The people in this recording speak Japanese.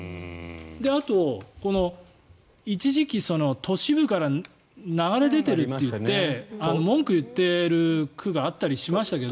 あと、一時期、都市部から流れ出ているといって文句を言っている区があったりしましたけど。